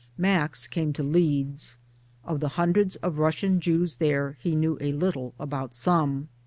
Max came to Leeds. Of the hundreds of Russian Jews there he knew a little about some.